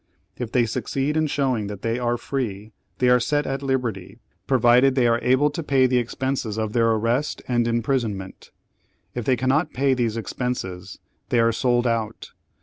If they succeed in showing that they are free, they are set at liberty, provided they are able to pay the expenses of their arrest and imprisonment; if they cannot pay these expenses, they are sold out.